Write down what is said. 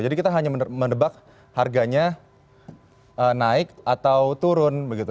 kita hanya mendebak harganya naik atau turun begitu